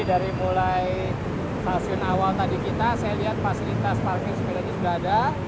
jadi dari mulai stasiun awal tadi kita saya lihat fasilitas parkir sepedanya sudah ada